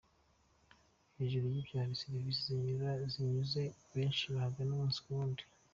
Hejuru y’ibyo hari serivisi yanyuze benshi babagana umunsi ku wundi.